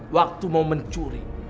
waktu mau mencuri